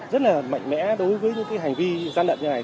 rất là mạnh mẽ đối với những cái hành vi gian lận như này